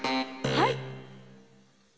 はい！